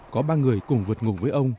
có ba người cùng vượt ngục với ông